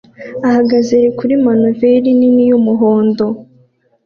ahagaze kuri manoveri nini y'umuhondo